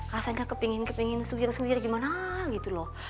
rasanya kepingin kepingin suwir suwir gimana gitu loh